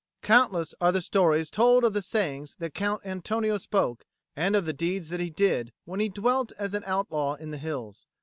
Countless are the stories told of the sayings that Count Antonio spoke and of the deeds that he did when he dwelt an outlaw in the hills.